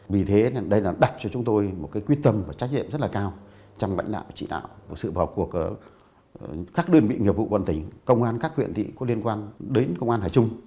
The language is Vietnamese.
vì thế đây là đặt cho chúng tôi một quyết tâm và trách nhiệm rất là cao trong lãnh đạo chỉ đạo sự vào cuộc của các đơn vị nghiệp vụ quân tỉnh công an các huyện thị có liên quan đến công an hà trung